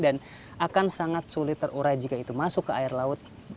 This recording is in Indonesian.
dan akan sangat sulit terurai jika itu masuk ke air laut